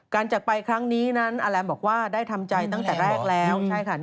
จากไปครั้งนี้นั้นอาแรมบอกว่าได้ทำใจตั้งแต่แรกแล้ว